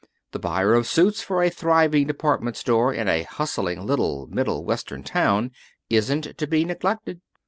The buyer of suits for a thriving department store in a hustling little Middle Western town isn't to be neglected.